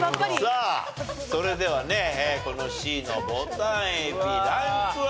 さあそれではねこのＣのボタンエビランクは？